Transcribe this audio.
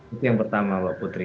itu yang pertama mbak putri